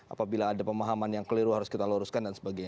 apabila ada pemahaman yang keliru harus kita luruskan dan sebagainya